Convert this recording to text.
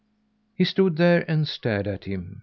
He stood there and stared at him.